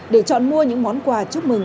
để chọn mua những món quà chúc mừng